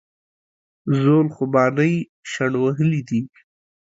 زول خوبانۍ شڼ وهلي دي